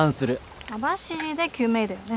網走で救命医だよね？